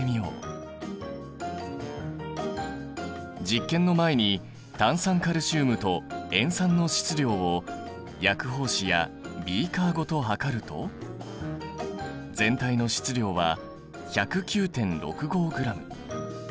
実験の前に炭酸カルシウムと塩酸の質量を薬包紙やビーカーごと量ると全体の質量は１０９．６５ｇ。